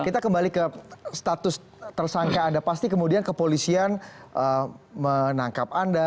kita kembali ke status tersangka anda pasti kemudian kepolisian menangkap anda